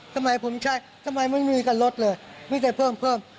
ทำไมผมใช่ทำไมไม่มีกันลดเลยมีแต่เพิ่มเพิ่ม